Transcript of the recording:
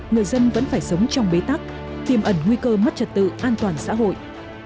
người dân vẫn phải sống trong bế tắc tìm ẩn nguy cơ mất trật tự an toàn xã hội